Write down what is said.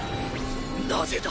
なぜだ？